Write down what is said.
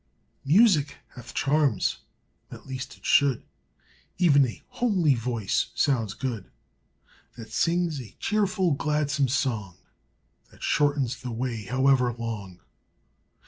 Music hath charms at least it should; Even a homely voice sounds good That sings a cheerful, gladsome song That shortens the way, however long.